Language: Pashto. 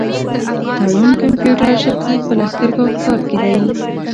تړون کمپيوټر شرکت په لښکرګاه ښار کي دی.